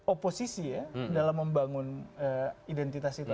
oposisi ya dalam membangun identitas itu